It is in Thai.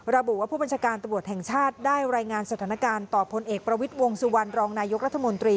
ระบุว่าผู้บัญชาการตำรวจแห่งชาติได้รายงานสถานการณ์ต่อพลเอกประวิทย์วงสุวรรณรองนายกรัฐมนตรี